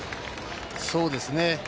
そうですね。